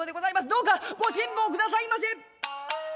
どうかご辛抱くださいませ！」。